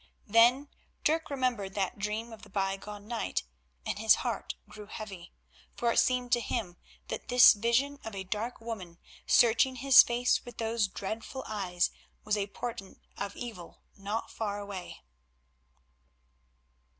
Then Dirk remembered that dream of the bygone night, and his heart grew heavy, for it seemed to him that this vision of a dark woman searching his face with those dreadful eyes was a portent of evil not far away.